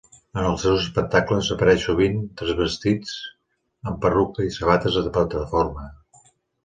En els seus espectacles apareixen sovint transvestits amb perruca i sabates de plataforma.